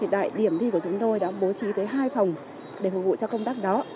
tại điểm thi của chúng tôi đã bố trí tới hai phòng để phục vụ cho công tác đó